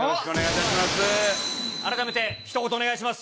改めて、ひと言お願いします。